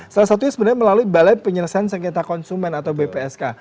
salah satunya sebenarnya melalui balai penyelesaian sengketa konsumen atau bpsk